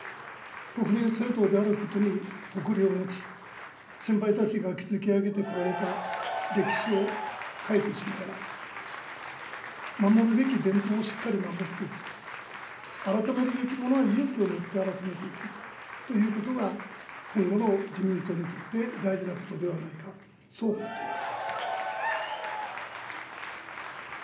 国民政党であることに誇りを持ち、先輩たちが築き上げてこられた歴史を回顧しながら、守るべき伝統をしっかり守っていく、改めるべきものは勇気をもって改めていくということが、今後の自民党にとって大事なことではないか、そう思っています。